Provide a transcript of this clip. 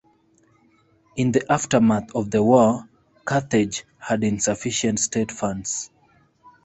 In the aftermath of the war, Carthage had insufficient state funds.